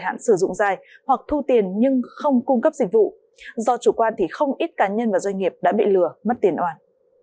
hoặc thu tiền nhưng không cung cấp dịch vụ do chủ quan thì không ít cá nhân và doanh nghiệp đã bị lừa mất tiền oan